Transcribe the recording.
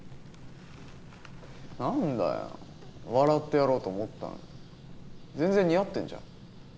何だよ笑ってやろうと思ったのに全然似合ってんじゃん。